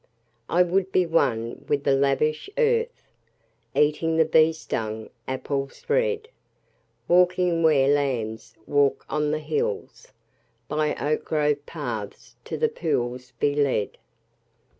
I would be one with the lavish earth, Eating the bee stung apples red: Walking where lambs walk on the hills; By oak grove paths to the pools be led.